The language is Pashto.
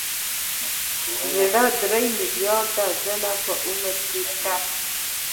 زړه درې ملیارده ځلې په عمر ټکي.